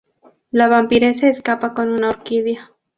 La vampiresa escapa con una orquídea.